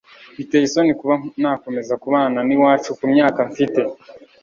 Biteye isoni kuba nakomeza kubana n'iwacu ku myaka mfite